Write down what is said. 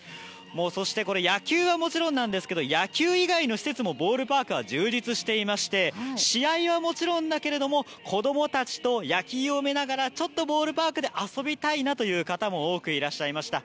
そして、野球はもちろんですが野球以外の施設もボールパークは充実していまして試合はもちろんだけれども子供たちと野球を見ながらちょっとボールパークで遊びたいなという方も多くいらっしゃいました。